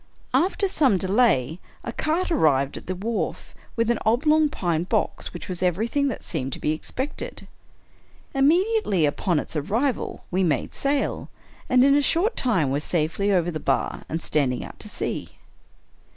After some delay, a cart arrived at the wharf, with an oblong pine box, which was everything that seemed to be expected. Immediately upon its arrival we made sail, and in a short time were safely over the bar and standing out to sea.